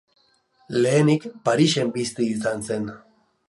Lehenik Parisen bizi izan zen.